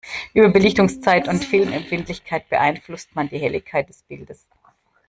Über Belichtungszeit und Filmempfindlichkeit beeinflusst man die Helligkeit des Bildes.